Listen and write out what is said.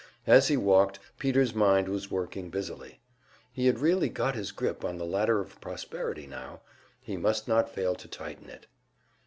As he walked, Peter's mind was working busily. He had really got his grip on the ladder of prosperity now; he must not fail to tighten it.